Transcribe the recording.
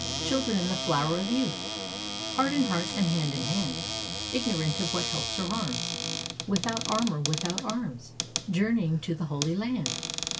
Children in the flower of youth, Heart in heart, and hand in hand, Ignorant of what helps or harms. Without armor, without arms, Journeying to the Holy Land!